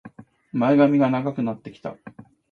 前髪が長くなってきた